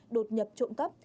đột nhập trộm xe máy